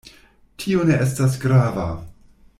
Tio ne estas grava.